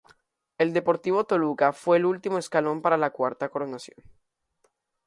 El Deportivo Toluca fue el último escalón para la cuarta coronación.